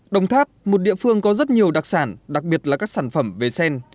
đồng tháp một địa phương có rất nhiều đặc sản đặc biệt là các sản phẩm về sen